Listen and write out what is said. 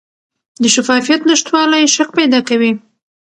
د شفافیت نشتوالی شک پیدا کوي